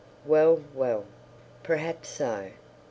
Well, well. Perhaps so....